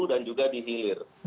dan juga di hilir